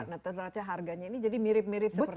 nah ternyata harganya ini jadi mirip mirip seperti ini